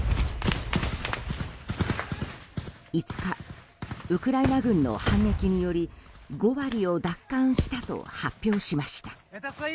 ５日ウクライナ軍の反撃により５割を奪還したと発表しました。